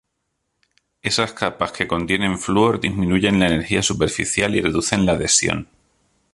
Esas capas que contienen flúor disminuyen la energía superficial y reducen la adhesión.